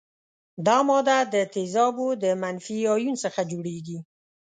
دا ماده د تیزابو د منفي ایون څخه جوړیږي.